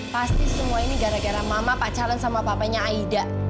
pasti semua ini gara gara mama pak calon sama papanya aida